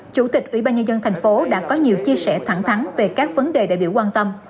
chủ tịch ủy ban nhân dân thành phố đã có nhiều chia sẻ thẳng thắn về các vấn đề đại biểu quan tâm